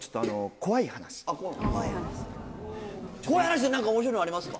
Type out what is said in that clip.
怖い話で何か面白いのありますか？